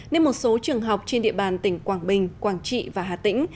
nên một số trường học trên địa bàn tỉnh quảng bình quảng trị và hà tĩnh